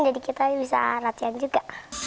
jadi kita bisa latihan juga